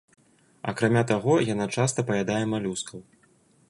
Акрамя таго, яна часта паядае малюскаў.